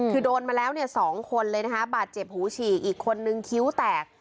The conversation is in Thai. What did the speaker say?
คือโดนมาแล้วเนี่ย๒คนเลยนะคะบาดเจ็บหูฉีกอีกคนนึงคิ้วแตก